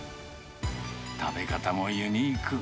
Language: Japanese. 食べ方もユニーク。